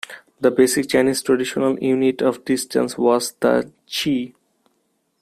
The basic Chinese traditional unit of distance was the "chi".